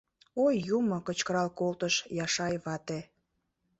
— Ой, юмо! — кычкырал колтыш Яшай вате.